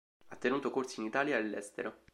Ha tenuto corsi in Italia e all'estero.